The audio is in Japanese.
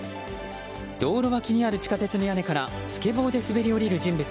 道路脇にある地下鉄の屋根からスケボーで滑り降りる人物。